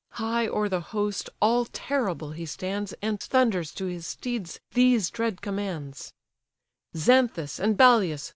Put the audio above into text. High o'er the host, all terrible he stands, And thunders to his steeds these dread commands: "Xanthus and Balius!